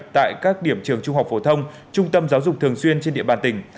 tại các điểm trường trung học phổ thông trung tâm giáo dục thường xuyên trên địa bàn tỉnh